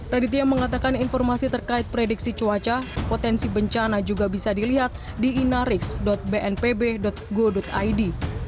raditya mengatakan informasi terkait prediksi cuaca potensi bencana juga bisa dilihat di inarix bnpb go id